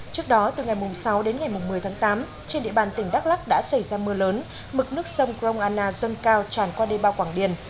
trước đó từ ngày sáu đến ngày một mươi tháng tám trên địa bàn tỉnh đắk lắc đã xảy ra mưa lớn mực nước sông krong anna dâng cao tràn qua đê bao quảng điền